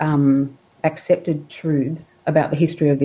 menerima kebenaran tentang sejarah negara ini